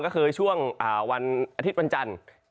ก็คือช่วงวันอาทิตย์วันจันทร์